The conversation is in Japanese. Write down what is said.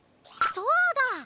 そうだ！